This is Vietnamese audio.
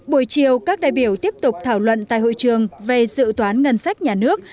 buổi chiều các đại biểu tiếp tục thảo luận tại hội trường về dự toán ngân sách nhà nước